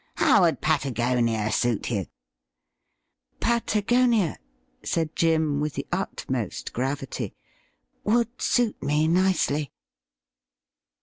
How would Patagonia suit you .?'' Patagonia,' said Jim with the utmost gravity, ' would suit me nicely.'